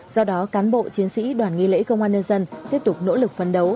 do đó cán bộ chiến sĩ đoàn nghi lễ công an nhân dân tiếp tục nỗ lực phấn đấu